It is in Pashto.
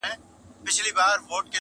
وو حاکم مګر مشهوره په امیر وو!!